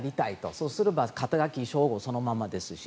そうすれば、肩書、称号そのままですし。